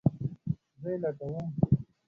زه یی لټوم